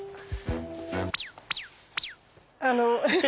あの。